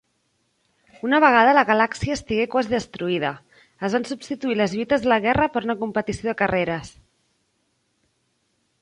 Una vegada la galàxia estigué quasi destruïda, es van substituir les lluites de la guerra per una competició de carreres.